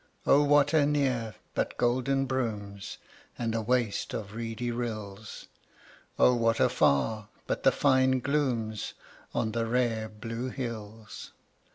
O what anear but golden brooms, And a waste of reedy rills! O what afar but the fine glooms On the rare blue hills!